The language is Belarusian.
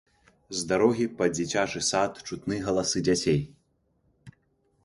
З дарогі пад дзіцячы сад чутны галасы дзяцей.